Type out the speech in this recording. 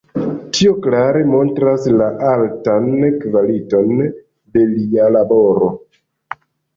Tio klare montras la altan kvaliton de lia laboro.